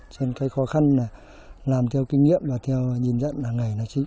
trên cái khó khăn là làm theo kinh nghiệm và theo nhìn dẫn là ngày nó chỉ